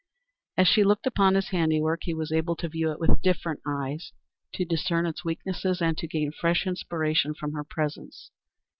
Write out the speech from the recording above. As she looked upon his handiwork he was able to view it with different eyes, to discern its weaknesses and to gain fresh inspiration from her presence.